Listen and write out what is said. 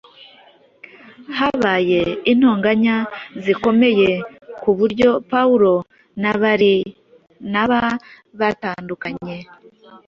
Habaye intonganya zikomeye ku buryo Pawulo na Barinaba batandukanye.